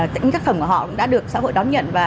những tác phẩm của họ cũng đã được xã hội đón nhận